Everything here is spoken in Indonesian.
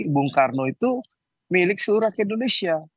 bung karno itu milik seorang kedudukan